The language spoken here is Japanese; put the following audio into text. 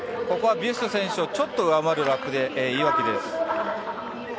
ここはビュスト選手をちょっと上回るラップでいいわけです。